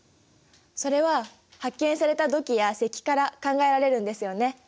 それは発見された土器や石器から考えられるんですよね？